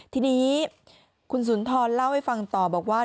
ทีนี้คุณสุนทรเล่าให้ฟังต่อบอกว่า